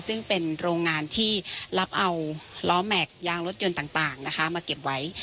ซึ่งเป็นโรงงานที่รับเอาล้อแม็กซ์ยางรถยนต์ต่างนะคะมาเก็บไว้